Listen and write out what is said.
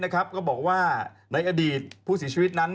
นะครับก็บอกว่าในอดีตพูดสีชีวิตนั้น